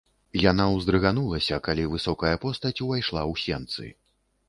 Яна ўздрыганулася, калі высокая постаць увайшла ў сенцы.